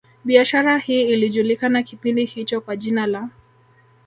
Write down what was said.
Biashara hii ilijulikana kipindi hicho kwa jina la